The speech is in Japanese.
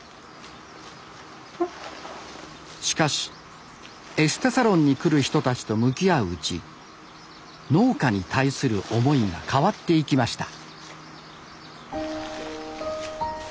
しかしエステサロンに来る人たちと向き合ううち農家に対する思いが変わっていきました。